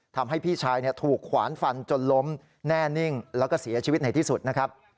ทำให้พี่ชายถูกขวานฟันจนล้มแน่นิ่งแล้วก็เสียชีวิตในที่สุดนะครับ